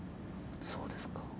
そうですか。